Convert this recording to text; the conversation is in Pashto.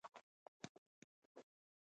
ټپي کول جرم دی.